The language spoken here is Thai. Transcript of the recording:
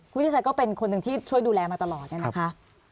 ที่ชัยก็เป็นคนหนึ่งที่ช่วยดูแลมาตลอดเนี่ยนะคะ